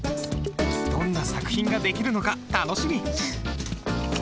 どんな作品が出来るのか楽しみ。